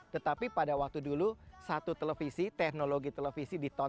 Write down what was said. tetapi pada waktu dulu satu televisi teknologi televisi ditonton